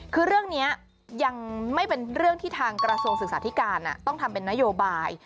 คือเรื่องนี้ยังไม่เป็นเรื่องที่ทางกระทรวงศึกษาธิการต้องทำเป็นนโยบาย